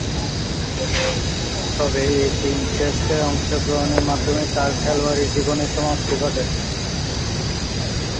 তবে, এ তিন টেস্টে অংশগ্রহণের মাধ্যমেই তার খেলোয়াড়ী জীবনের সমাপ্তি ঘটে।